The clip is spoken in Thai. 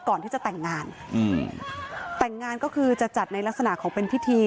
ก่อนที่จะแต่งงานอืมแต่งงานก็คือจะจัดในลักษณะของเป็นพิธี